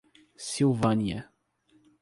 Silvânia